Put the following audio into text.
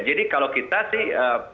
jadi kalau kita sih